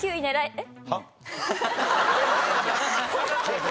えっ！？